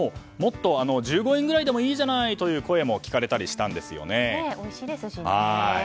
もっと１５円くらいでもいいじゃないという声も聞かれたりしたんですね。